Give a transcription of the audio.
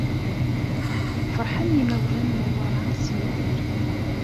Ferḥen yimawlan n Newwara s Yidir.